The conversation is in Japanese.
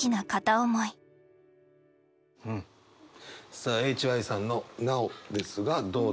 さあＨＹさんの「ＮＡＯ」ですがどうでしょう？